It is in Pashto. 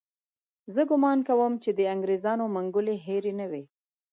زه ګومان کوم چې د انګریزانو منګولې هېرې نه وي.